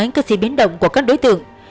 anh cơ sĩ biến động của các đối tượng